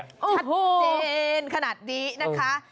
ชัดเจนขนาดนี้นะคะ